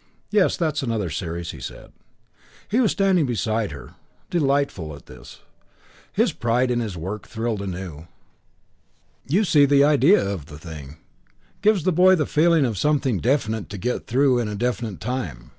'" "Yes, that's another series," he said. He was standing beside her. Delightful this! His pride in his work thrilled anew. "You see the idea of the thing. Gives the boy the feeling of something definite to get through in a definite time."